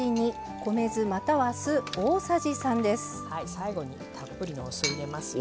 最後にたっぷりのお酢を入れますよ。